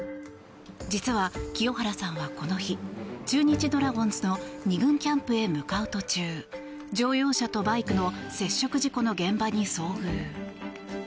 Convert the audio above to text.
実は、清原さんはこの日中日ドラゴンズの２軍キャンプへ向かう途中乗用車とバイクの接触事故の現場に遭遇。